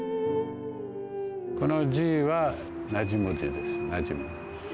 この字はなじむですなじむ。